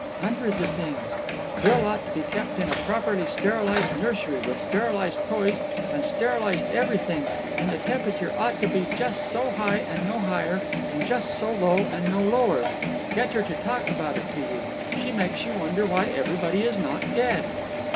"Hundreds of things. Bill ought to be kept in a properly sterilized nursery, with sterilized toys and sterilized everything, and the temperature ought to be just so high and no higher, and just so low and no lower. Get her to talk about it to you. She makes you wonder why everybody is not dead."